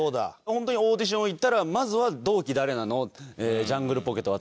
ホントにオーディション行ったらまずは。